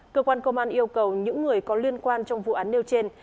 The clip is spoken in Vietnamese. cơ quan công an yêu cầu những người có liên quan trong vụ án nêu trên